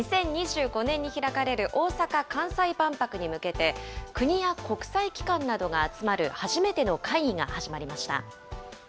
２０２５年に開かれる大阪・関西万博に向けて、国や国際機関などが集まる初めての会議が始まりました。